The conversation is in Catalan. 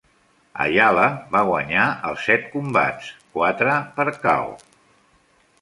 Ayala va guanyar els set combats, quatre per KO.